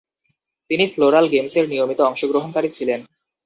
তিনি ফ্লোরাল গেমসের নিয়মিত অংশগ্রহণকারী ছিলেন।